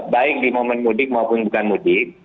baik di momen mudik maupun bukan mudik